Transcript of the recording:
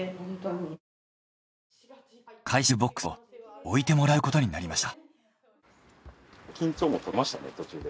回収ボックスを置いてもらえることになりました。